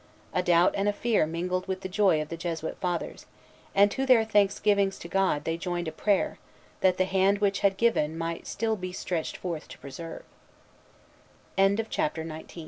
A doubt and a fear mingled with the joy of the Jesuit Fathers; and to their thanksgivings to God they joined a prayer, that the hand which had given might still be stretched forth to pr